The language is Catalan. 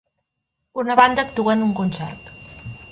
Una banda actua en un concert.